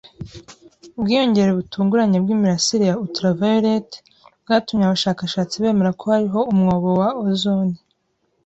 Ubwiyongere butunguranye bwimirasire ya ultraviolet bwatumye abashakashatsi bemera ko hariho umwobo wa ozone